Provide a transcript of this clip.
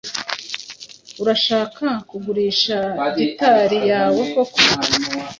Urashaka kugurisha gitari yawe koko?